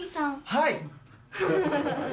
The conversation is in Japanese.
はい！